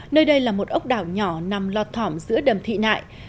nơi đây là một ốc đảo nhỏ nằm lọt thỏm giữa đầm thị nại